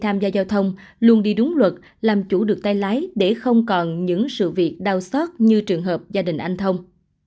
tham gia giao thông luôn đi đúng luật làm chủ được tay lái để không còn những sự việc đau xót như trường hợp gia đình anh thông